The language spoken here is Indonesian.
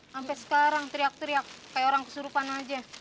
sampai sekarang teriak teriak kayak orang kesurupan aja